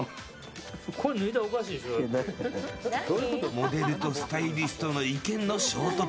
モデルとスタイリストの意見の衝突。